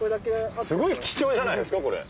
すごい貴重じゃないですかこれ。